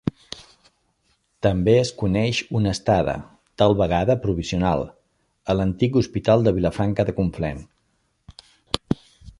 També es coneix una estada, tal vegada provisional, a l'Antic Hospital de Vilafranca de Conflent.